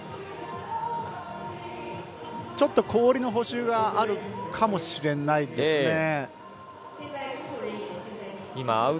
ちょっと氷の補修があるかもしれないですね。